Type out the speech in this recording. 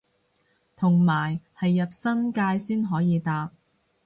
同埋係入新界先可以搭